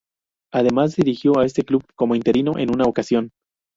Además dirigió a este club como interino en una ocasión.